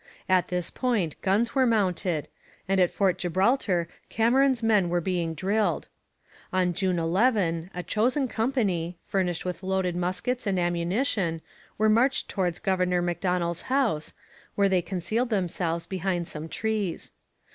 At this point guns were mounted, and at Fort Gibraltar Cameron's men were being drilled. On June 11 a chosen company, furnished with loaded muskets and ammunition, were marched towards Governor Macdonell's house, where they concealed themselves behind some trees.